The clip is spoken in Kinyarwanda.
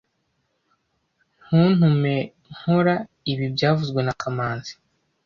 Ntuntume nkora ibi byavuzwe na kamanzi